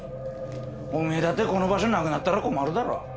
おめえだってこの場所なくなったら困るだろ？